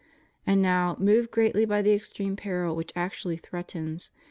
And now, moved greatly by the extreme peril which actually threatens.